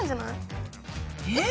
え！